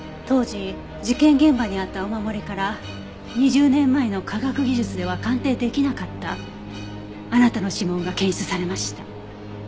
当時事件現場にあったお守りから２０年前の科学技術では鑑定できなかったあなたの指紋が検出されました。